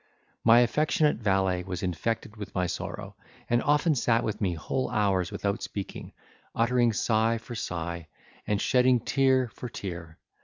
My affectionate valet was infected with my sorrow, and often sat with me whole hours without speaking, uttering sigh for sigh, and shedding tear for tear.